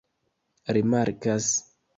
rimarkas